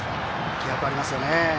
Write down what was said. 気迫ありますね。